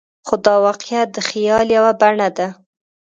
خو دا واقعیت د خیال یوه بڼه ده.